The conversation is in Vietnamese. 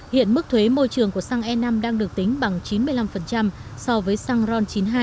hiện mức thuế môi trường của xăng e năm đang được tính bằng chín mươi năm so với xăng ron chín mươi hai